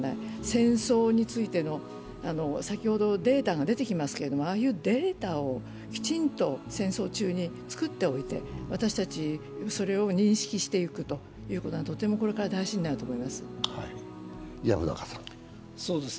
戦争についてのデータが出てきますけど、ああいうデータをきちんと戦争中に作っておいて私たち、それを認識していくことがとてもこれから大事になると思います。